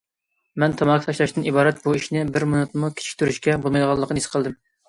مەن تاماكا تاشلاشتىن ئىبارەت بۇ ئىشنى بىر مىنۇتمۇ كېچىكتۈرۈشكە بولمايدىغانلىقىنى ھېس قىلدىم.